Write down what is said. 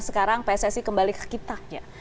sekarang pssi kembali ke kita